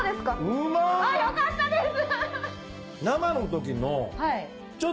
うまい！よかったです！